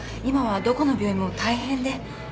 今はどこの病院も大変で。